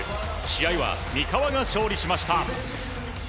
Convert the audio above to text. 試合は三河が勝利しました。